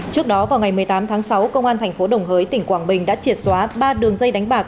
trước đó vào ngày một mươi tám tháng sáu công an thành phố đồng hới tỉnh quảng bình đã triệt xóa ba đường dây đánh bạc